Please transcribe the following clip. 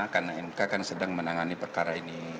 karena mk kan sedang menangani perkara ini